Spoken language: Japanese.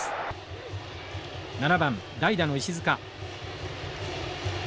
７番代打の石塚。